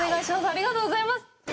ありがとうございます。